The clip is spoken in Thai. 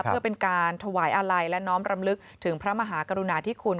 เพื่อเป็นการถวายอาลัยและน้อมรำลึกถึงพระมหากรุณาธิคุณ